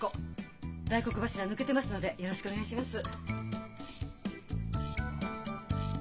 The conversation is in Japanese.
大黒柱抜けてますのでよろしくお願いします。